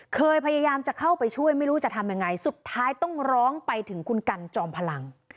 พยายามจะเข้าไปช่วยไม่รู้จะทำยังไงสุดท้ายต้องร้องไปถึงคุณกันจอมพลัง